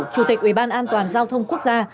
chủ tịch ubnd giao thông quốc gia